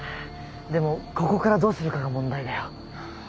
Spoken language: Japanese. でもここからどうするかが問題だよ。